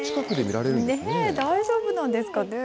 ねぇ、大丈夫なんですかね。